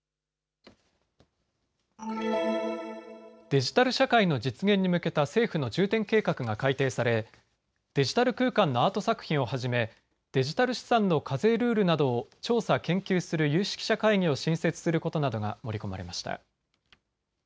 デジタル社会の実現に向けた政府の重点計画が改定されデジタル空間のアート作品をはじめデジタル資産の課税ルールなどを調査・研究する有識者会議を新設することなどが盛り込まれました。